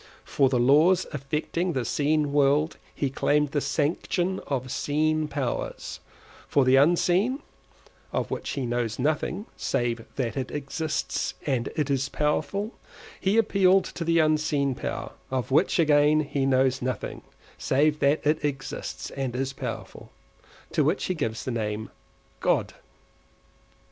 For the laws affecting the seen world he claimed the sanction of seen powers; for the unseen (of which he knows nothing save that it exists and is powerful) he appealed to the unseen power (of which, again, he knows nothing save that it exists and is powerful) to which he gives the name of God.